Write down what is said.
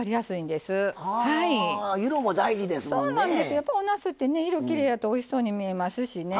やっぱおなすってね色きれいやとおいしそうに見えますしね。